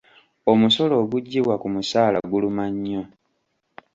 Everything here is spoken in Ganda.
Omusolo oguggyibwa ku musaala guluma nnyo.